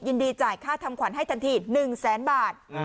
จ่ายค่าทำขวัญให้ทันที๑แสนบาท